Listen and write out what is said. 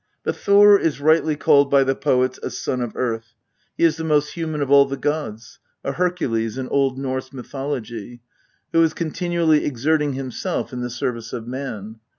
But Thor is rightly called by the poets a " Son of Earth." He is the most human of all the gods, a Hercules in Old Norse mythology, who is continually exerting himself in the service of man.